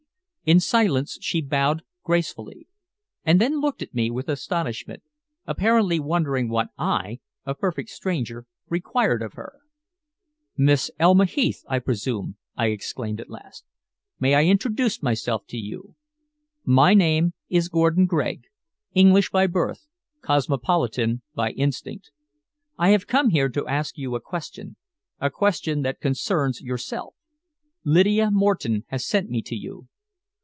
In silence she bowed gracefully, and then looked at me with astonishment, apparently wondering what I, a perfect stranger, required of her. "Miss Elma Heath, I presume?" I exclaimed at last. "May I introduce myself to you? My name is Gordon Gregg, English by birth, cosmopolitan by instinct. I have come here to ask you a question a question that concerns yourself. Lydia Moreton has sent me to you."